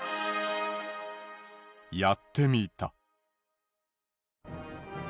やってみた。